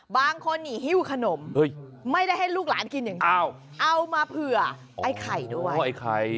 บางคนนี่หิ้วขนมไม่ได้ให้ลูกหลานกินอย่างเดียวเอามาเผื่อไอ้ไข่ด้วยไข่